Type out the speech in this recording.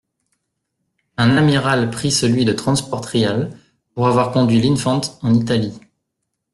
Un amiral prit celui de Transport-Real , pour avoir conduit l’Infant en Italie.